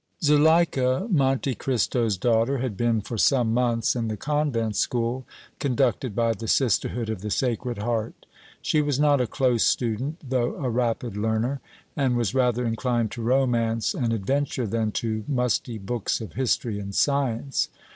Zuleika, Monte Cristo's daughter, had been for some months in the convent school conducted by the Sisterhood of the Sacred Heart. She was not a close student though a rapid learner, and was rather inclined to romance and adventure than to musty books of history and science.